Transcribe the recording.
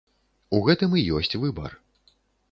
У гэтым і ёсць выбар.